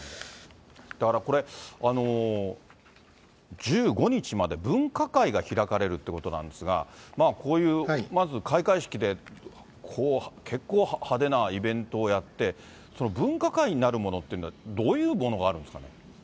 だからこれ、１５日まで分科会が開かれるということなんですが、こういう、まず開会式で、結構派手なイベントをやって、その分科会なるものって、どういうものがあるんですかね。